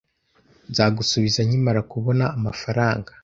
Nzagusubiza nkimara kubona amafaranga.